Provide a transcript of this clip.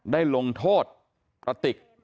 ได้ลงโทษกระติก